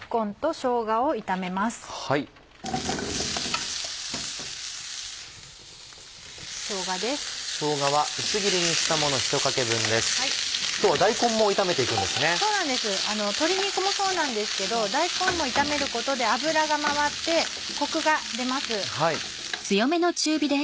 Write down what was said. そうなんです鶏肉もそうなんですけど大根も炒めることで油が回ってコクが出ます。